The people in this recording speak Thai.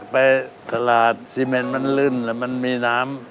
ไปตลาดซีเมนมันลื่นแล้วมันมีน้ำ